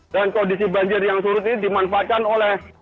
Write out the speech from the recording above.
dan kondisi banjir yang turut ini dimanfaatkan oleh